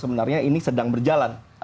sebenarnya ini sedang berjalan